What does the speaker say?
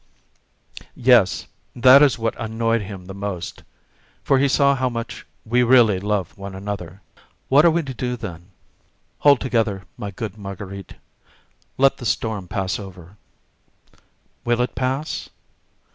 "Yes; that is what annoyed him the most, for he saw how much we really love one another." "What are we to do, then?" "Hold together, my good Marguerite, and let the storm pass over." "Will it pass?"